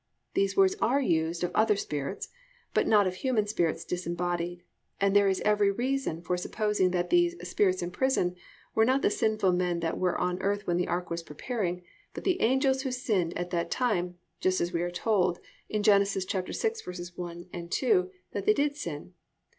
These words are used of other spirits, but not of human spirits disembodied, and there is every reason for supposing that these "spirits in prison" were not the sinful men that were on earth when the ark was preparing, but the angels who sinned at that time, just as we are told in Gen. 6:1, 2 that they did sin (cf.